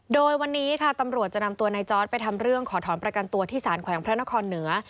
โดยวันนี้ค่ะตำรวจจะนำตัวนายจอร์ดไปทำเรื่องขอถอนประกันตัวที่สารแขวงพระนครเหนือ